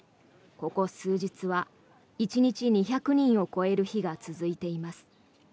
ここ数日は１日２００人を超える日が続いています。